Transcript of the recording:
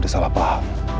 terima kasih pak